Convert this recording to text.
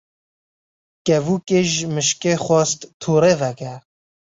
Kevokê ji mişkê xwest torê veke.